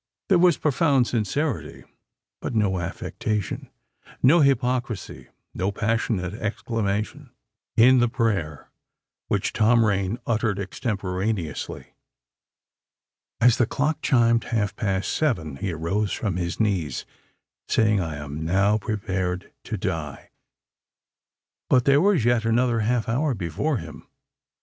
There was profound sincerity—but no affectation, no hypocrisy, no passionate exclamation—in the prayer which Tom Rain uttered extemporaneously. As the clock chimed half past seven, he arose from his knees, saying, "I am now prepared to die." But there was yet another half hour before him.